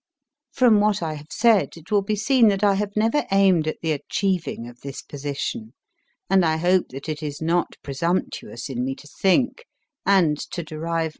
From what I have said it will be seen that I have never aimed at the achieving of this position, and I hope that it is not presumptuous in me to think and to derive much comfort